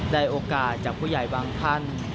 โอกาสจากผู้ใหญ่บางท่าน